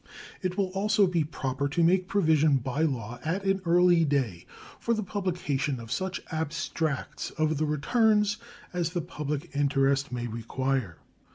It will also be proper to make provision by law at an early day for the publication of such abstracts of the returns as the public interests may require.